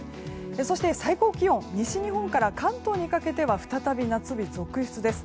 そして最高気温西日本から関東にかけては再び夏日、続出です。